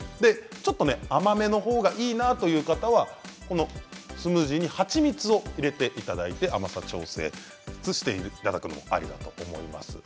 ちょっと甘めのほうがいいなという方はスムージーに蜂蜜を入れていただいて甘さ調整をしていただくのもありだと思います。